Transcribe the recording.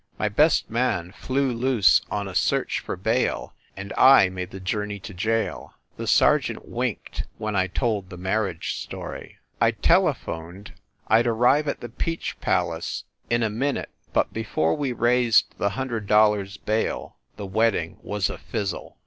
My best man flew loose on a search for bail, and I made the journey to jail. The ser geant winked when I told the marriage story. I telephoned I d arrive at the Peach palace in a 92 FIND THE WOMAN minute, but before we raised the hundred dollars bail the wedding was a fizzle.